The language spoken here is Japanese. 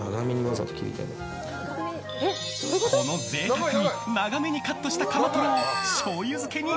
この贅沢に長めにカットしたカマトロをしょうゆ漬けに。